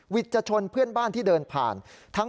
จะชนเพื่อนบ้านที่เดินผ่าน